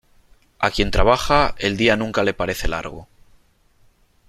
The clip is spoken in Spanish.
A quien trabaja, el día nunca le parece largo.